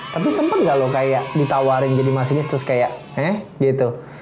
tapi sempet nggak lo kayak ditawarin jadi masinis terus kayak eh gitu